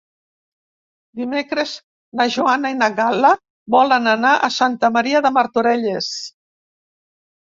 Dimecres na Joana i na Gal·la volen anar a Santa Maria de Martorelles.